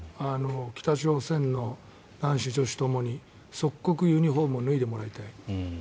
北朝鮮の男子女子ともに即刻、ユニホームを脱いでもらいたい。